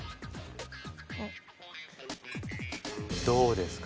どうですか？